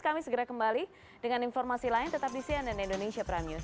kami segera kembali dengan informasi lain tetap di cnn indonesia prime news